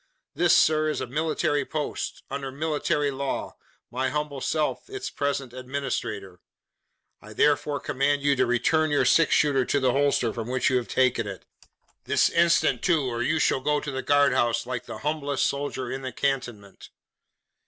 This, sir, is a military post under military law my humble self its present administrator. I therefore command you to return your six shooter to the holster from which you have taken it. This instant too, or you shall go to the guard house, like the humblest soldier in the cantonment!"